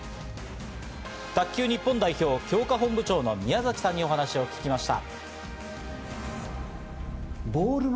卓球日本代表強化本部長の宮崎さんにお話を伺いました。